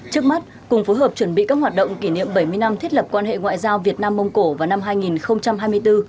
trước mắt cùng phối hợp chuẩn bị các hoạt động kỷ niệm bảy mươi năm thiết lập quan hệ ngoại giao việt nam mông cổ vào năm hai nghìn hai mươi bốn